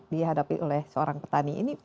dihadapi oleh seorang petani ini